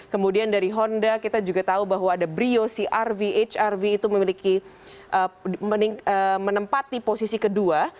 kemudian dari honda kita juga tahu bahwa ada brio cr v hr v itu memiliki menempati posisi kedua